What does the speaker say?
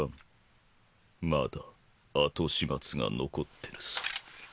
まだ後始末が残ってるさ。